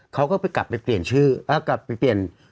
เขาก็ไปกลับไปเปลี่ยนชื่อ